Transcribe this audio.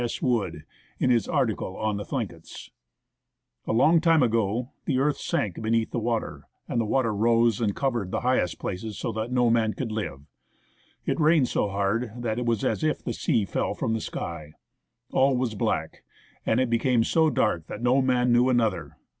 S. Wood in his article on the Thiinkets ^:—" A long time ago the earth sank beneath the water, and the water rose and covered the highest places, so that no man could live. It rained so hard that it was as if the sea fell from the sky. All was black, and it became so dark that no man knew another.